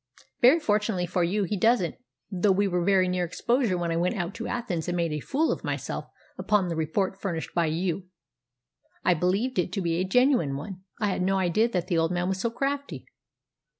"Very fortunately for you he doesn't, though we were very near exposure when I went out to Athens and made a fool of myself upon the report furnished by you." "I believed it to be a genuine one. I had no idea that the old man was so crafty."